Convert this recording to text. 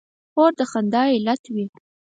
خور د خندا علت وي.